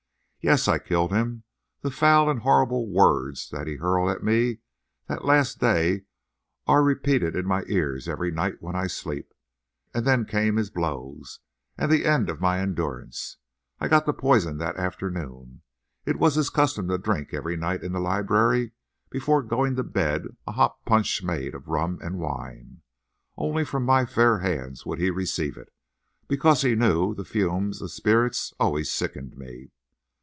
Yes, I killed him. The foul and horrible words that he hurled at me that last day are repeated in my ears every night when I sleep. And then came his blows, and the end of my endurance. I got the poison that afternoon. It was his custom to drink every night in the library before going to bed a hot punch made of rum and wine. Only from my fair hands would he receive it— because he knew the fumes of spirits always sickened me.